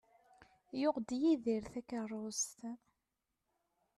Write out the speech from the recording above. Yuɣ-d Yidir takerrust.